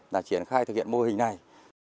là triển khai thực hiện mô hình này